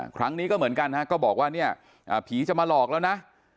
ครั้งนี้ก็เหมือนกันฮะก็บอกว่าเนี่ยผีจะมาหลอกแล้วนะ